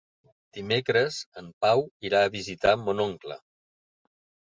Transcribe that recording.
Dimecres en Pau irà a visitar mon oncle.